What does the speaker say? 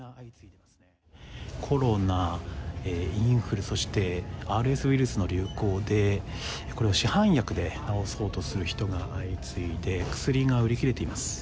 コロナ、インフルそしてＲＳウイルスの流行で市販薬で治そうとする人が相次いで薬が売り切れています。